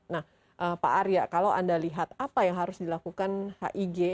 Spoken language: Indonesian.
nah pak arya kalau anda lihat apa yang harus dilakukan hig